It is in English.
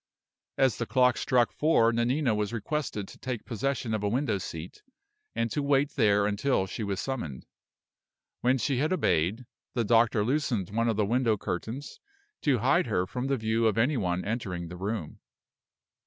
As the clock struck four Nanina was requested to take possession of a window seat, and to wait there until she was summoned. When she had obeyed, the doctor loosened one of the window curtains, to hide her from the view of any one entering the room.